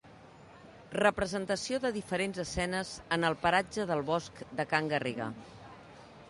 Representació de diferents escenes en el Paratge del Bosc de can Garriga.